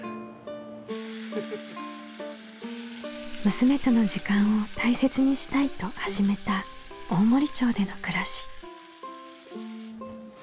娘との時間を大切にしたいと始めた大森町での暮らし。